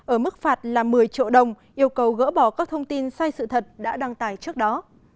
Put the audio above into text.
ở mức phạt là một mươi triệu đồng yêu cầu gỡ bỏ các thông tin sai sự thật đã đăng tải trước đó